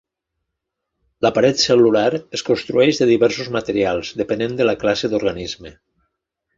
La paret cel·lular es construeix de diversos materials depenent de la classe d'organisme.